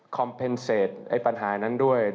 คอมเพนเซตไอ้ปัญหานั้นด้วย